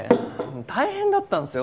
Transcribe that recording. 大変だったんすよ